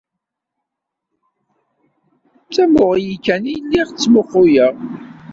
D tamuɣli kan ay lliɣ ttmuqquleɣ.